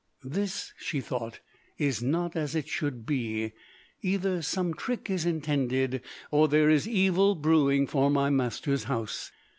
"This," she thought, "is not as it should be; either some trick is intended, or there is evil brewing for my masters house."